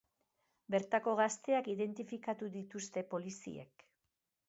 Bertako gazteak identifikatu dituzte poliziek.